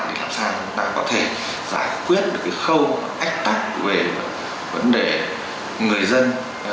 để làm sao chúng ta có thể giải quyết được cái khâu ách tắc về vấn đề người dân